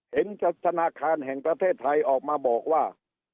ธนาคารแห่งประเทศไทยออกมาบอกว่า